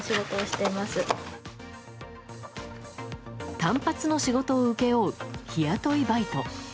単発の仕事を請け負う日雇いバイト。